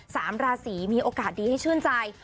สามราศีมีโอกาสดีให้ชื่นใจ